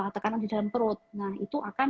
tekanan di dalam perut nah itu akan